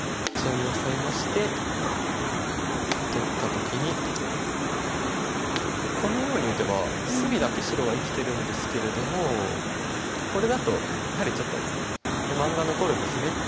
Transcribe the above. こちらにオサえまして取った時にこのように打てば隅だけ白は生きてるんですけれどもこれだとやはりちょっと不満が残るんですね。